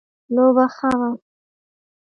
لوبه ښه وه